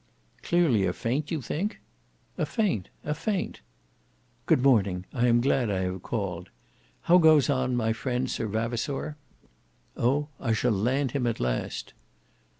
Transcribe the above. "Clearly a feint, you think?" "A feint! a feint." "Good morning. I am glad I have called. How goes on my friend Sir Vavasour?" "Oh! I shall land him at last."